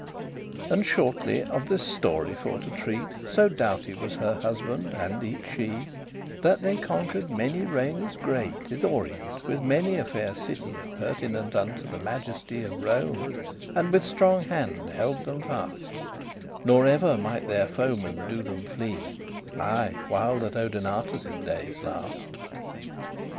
And, shortly of this story for to treat, So doughty was her husband and eke she, That they conquered many regnes great In th'Orient, with many a fair city Appertinent unto the majesty Of Rome, and with strong hande held them fast, Nor ever might their foemen do* them flee, *make Aye while that Odenatus' dayes last'.